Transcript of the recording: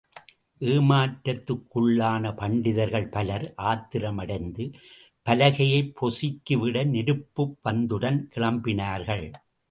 ஏமாற்றத்துக்குள்ளான பண்டிதர்கள் பலர் ஆத்திரமடைந்து, பலகையைப் பொசுக்கிவிட நெருப்புப் பந்தத்துடன் கிளம்பினார்கள்.